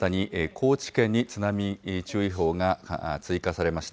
高知県に津波注意報が追加されています。